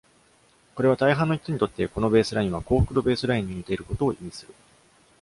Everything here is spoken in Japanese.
これは、大半の人にとって、このベースラインは幸福度ベースラインに似ていることを意味する。